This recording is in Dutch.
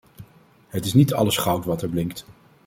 Het is niet alles goud wat er blinkt.